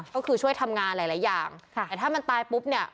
ก็คือช่วยทำงานหลายหลายอย่างค่ะแต่ถ้ามันตายปุ๊บเนี่ย